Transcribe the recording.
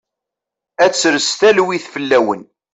Ad d-tres talwit fell-awen.